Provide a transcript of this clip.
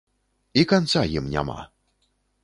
І канца ім няма!